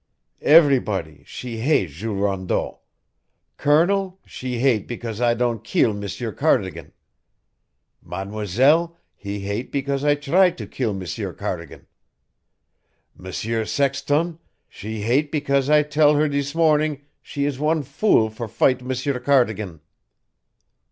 "Everybody, she hate Jules Rondeau. Colonel she hate because I don' keel M'sieur Cardigan; Mademoiselle, he hate because I try to keel M'sieur Cardigan; M'sieur Sexton, she hate because I tell her thees mornin' she is one fool for fight M'sieur Cardigan."